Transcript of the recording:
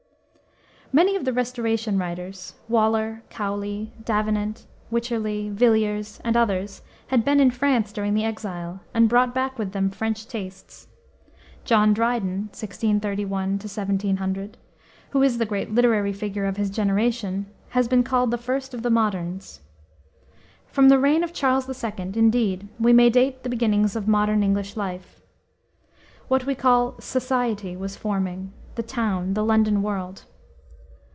Many of the Restoration writers Waller, Cowley, Davenant, Wycherley, Villiers, and others had been in France during the exile, and brought back with them French tastes. John Dryden (1631 1700), who is the great literary figure of his generation, has been called the first of the moderns. From the reign of Charles II., indeed, we may date the beginnings of modern English life. What we call "society" was forming, the town, the London world.